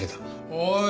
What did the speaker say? おい！